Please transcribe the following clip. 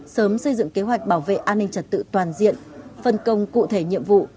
sớm xây dựng kế hoạch bảo vệ an ninh trật tự toàn diện phân công cụ thể nhiệm vụ